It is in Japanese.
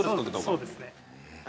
そうですね。